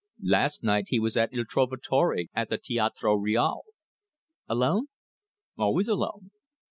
Last night he was at Il Trovatore, at the Teatro Real." "Alone?" "Always alone."